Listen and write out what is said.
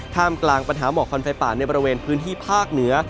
กลางปัญหาหมอกควันไฟป่าในบริเวณพื้นที่ภาคเหนือ